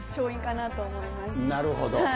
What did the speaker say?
なるほど。